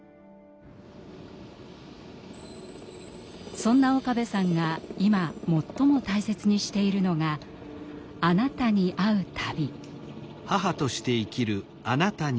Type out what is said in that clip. そんな岡部さんが今最も大切にしているのが“あなた”に会う旅。